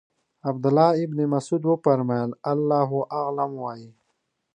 عبدالله ابن مسعود وفرمایل الله اعلم وایئ.